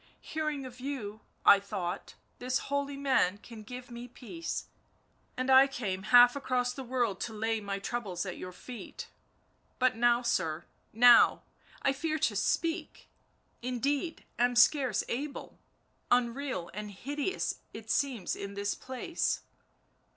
. hearing of you I thought, this holy man can give me peace, and I came half across the world to lay my troubles at your feet; but now, sir, now — I fear to speak, indeed, am scarce able, unreal and hideous it seems in this place."